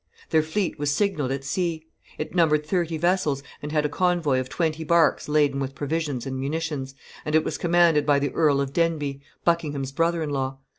Their fleet was signalled at sea; it numbered thirty vessels, and had a convoy of twenty barks laden with provisions and munitions, and it was commanded by the Earl of Denbigh, Buckingham's brother in law.